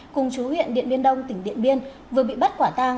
cùng chú huyện điện biên đông tỉnh điện biên vừa bị bắt quả tang